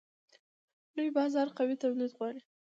لوی بازار قوي تولید غواړي.